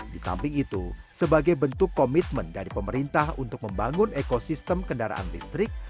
di samping itu sebagai bentuk komitmen dari pemerintah untuk membangun ekosistem kendaraan listrik